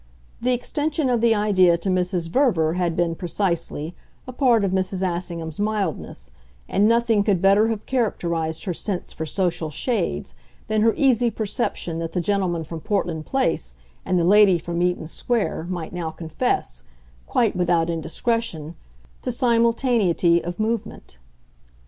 The extension of the idea to Mrs. Verver had been, precisely, a part of Mrs. Assingham's mildness, and nothing could better have characterised her sense for social shades than her easy perception that the gentleman from Portland Place and the lady from Eaton Square might now confess, quite without indiscretion, to simultaneity of movement.